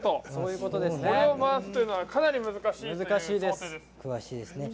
これを回すのはかなり難しいです。